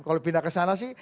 kalau pindah ke sana sih